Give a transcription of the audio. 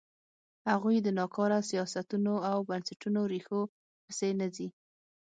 هغوی د ناکاره سیاستونو او بنسټونو ریښو پسې نه ځي.